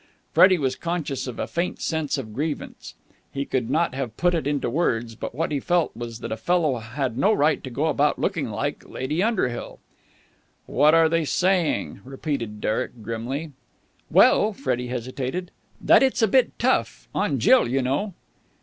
Freddie was conscious of a faint sense of grievance. He could not have put it into words, but what he felt was that a fellow had no right to go about looking like Lady Underhill. "What are they saying?" repeated Derek grimly. "Well...." Freddie hesitated. "That it's a bit tough.... On Jill, you know."